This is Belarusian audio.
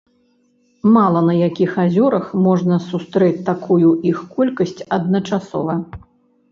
Мала на якіх азёрах можна сустрэць такую іх колькасць адначасова.